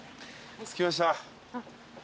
着きました。